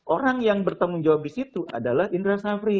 orang yang bertanggung jawab di situ adalah indra safri